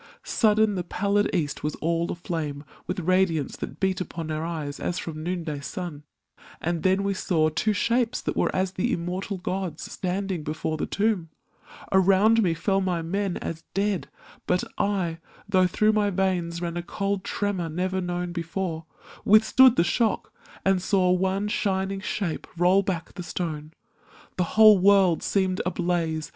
Sudden the pallid east was all aflame With radiance that beat upon our eyes As from noonday sun; and then we saw Two shapes that were as the immortal gods Standing before the tomb; around me fell My men as dead; but I, though through my veins Ran a cold tremor never known before, Withstood the shock and saw one shining shape Roll back the stone; the whole world seemed ablaze.